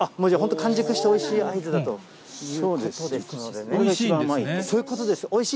じゃあ、本当、完熟しておいしい合図だということですのでね。